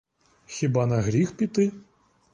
Хіба на гріх піти?